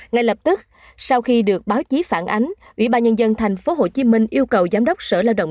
ngay lập tức sau khi được báo chí phản ánh ubnd tp hcm yêu cầu giám đốc sở lao động